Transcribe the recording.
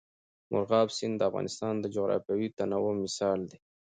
مورغاب سیند د افغانستان د جغرافیوي تنوع مثال دی.